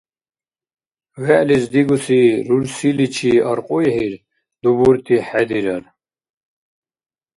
ВегӀлис дигуси рурсиличи аркьуйхӀир дубурти хӀедирар.